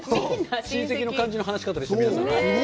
親戚の感じの話し方でした、皆さん。